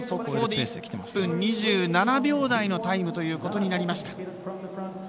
１分７秒台のタイムということになりました。